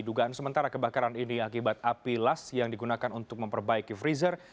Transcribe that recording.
dugaan sementara kebakaran ini akibat api las yang digunakan untuk memperbaiki freezer